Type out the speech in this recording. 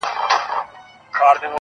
مینه کي اور بلوې ما ورته تنها هم پرېږدې.